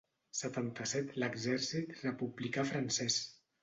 Setanta-set l'exèrcit republicà francès.